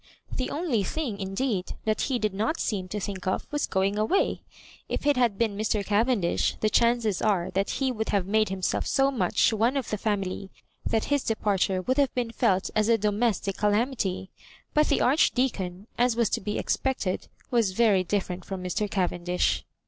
The only thing, indeed, that he did not seem to think of, was going away. If it had been Mr. Cavendish, the chances are that he would have made himself so much one of the family, that his departure would have been felt as a domestic calamity; but the Arehdeacon, as was to be expected,' was very different (torn Mr. Cavendish.